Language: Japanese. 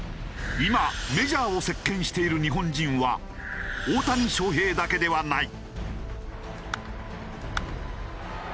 今メジャーを席巻している日本人は大谷翔平だけではない。